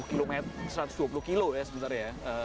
satu ratus dua puluh km satu ratus dua puluh km sebenarnya